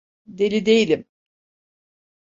Deli değilim.